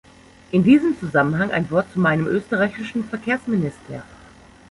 In diesem Zusammenhang ein Wort zu meinem österreichischen Verkehrsminister.